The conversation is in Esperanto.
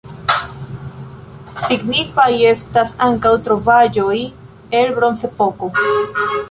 Signifaj estas ankaŭ trovaĵoj el bronzepoko.